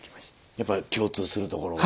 やっぱり共通するところが。